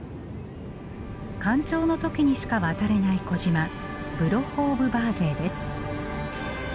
干潮の時にしか渡れない小島ブロッホ・オブ・バーゼイです。